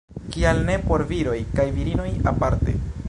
Kial ne por viroj kaj virinoj aparte?